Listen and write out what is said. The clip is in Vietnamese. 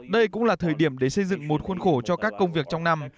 đây cũng là thời điểm để xây dựng một khuôn khổ cho các công việc trong năm